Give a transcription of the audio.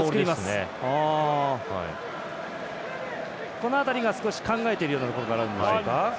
この辺りが少し考えてるようなところがあるんでしょうか。